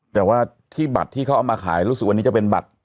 แต่ว่าที่บัตรที่เขาเอามาขายรู้สึกวันนี้จะเป็นบัตร